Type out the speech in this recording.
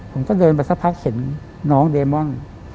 ผมก็เดินไปสักพักเห็นน้องเดมอน